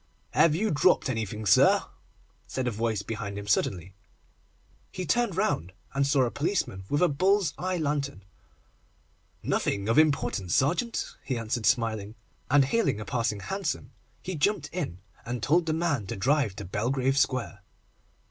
'Have you dropped anything, sir?' said a voice behind him suddenly. He turned round, and saw a policeman with a bull's eye lantern. 'Nothing of importance, sergeant,' he answered, smiling, and hailing a passing hansom, he jumped in, and told the man to drive to Belgrave Square.